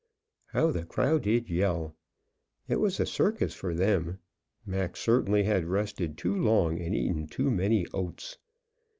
How the crowd did yell! It was a circus for them. Mac certainly had rested too long and eaten too many oats.